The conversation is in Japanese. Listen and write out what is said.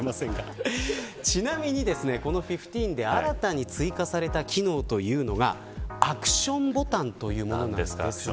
この１５で新たに追加された機能というのがアクションボタンというものです。